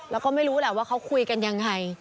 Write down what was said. แล้วก็ไม่รู้แหละว่าเขาคุยกันยังไง